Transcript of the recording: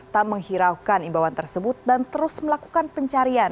tak menghiraukan imbauan tersebut dan terus melakukan pencarian